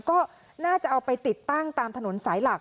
ก็น่าจะเอาไปติดตั้งตามถนนสายหลัก